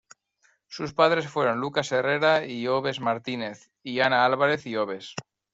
Sus padres fueron Lucas Herrera y Obes Martínez y Ana Álvarez y Obes.